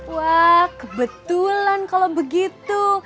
wah kebetulan kalau begitu